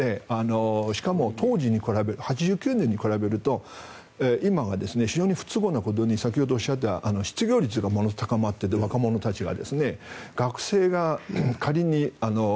しかも、８９年に比べると今は非常に不都合なことに先ほどおっしゃった失業率がものすごく高まって若者たちが。